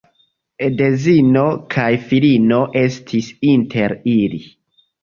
Edzino kaj filino estis inter ili.